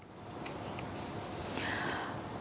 các đối tượng đã được giao dịch bóng đá trên mạng internet